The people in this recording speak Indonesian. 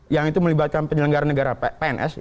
yang itu melibatkan penyelenggara negara pns